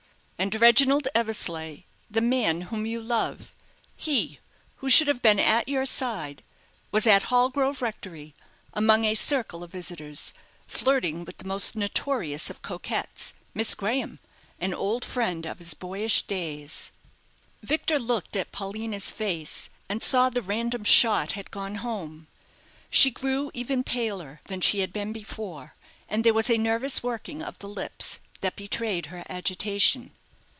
"And Reginald Eversleigh the man whom you love he who should have been at your side, was at Hallgrove Rectory, among a circle of visitors, flirting with the most notorious of coquettes Miss Graham, an old friend of his boyish days." Victor looked at Paulina's face, and saw the random shot had gone home. She grew even paler than she had been before, and there was a nervous working of the lips that betrayed her agitation.